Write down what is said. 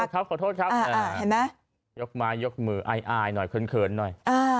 ขอโทษครับยกมืออายหน่อยเคินหน่อย